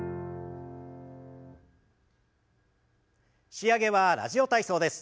仕上げは「ラジオ体操」です。